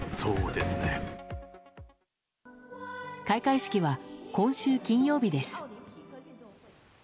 開会式は今週金曜日です。